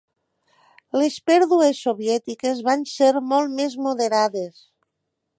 Les pèrdues soviètiques van ser molt més moderades.